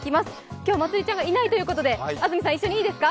今日はまつりちゃんがいないということで安住さん、一緒に。